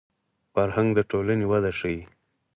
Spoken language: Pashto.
فرهنګ د ټولنې وده ښيي